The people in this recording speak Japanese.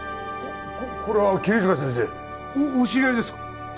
これは桐塚先生お知り合いですか？